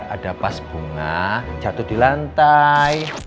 ada pas bunga jatuh di lantai